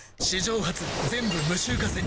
史上初全部無臭化